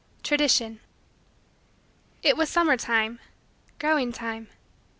TRADITION It was summer time growing time.